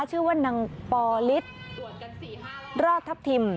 ชื่อว่านางปอลิศราชทัพทิม